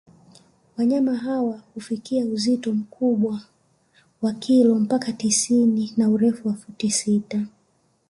Wanyama hawa hufikia uzito mkubwa wa kilo mpaka tisini na urefu wa futi sita